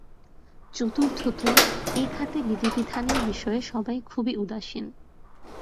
চতুর্থত, এ খাতে বিধিবিধানের বিষয়ে সবাই খুব উদাসীন।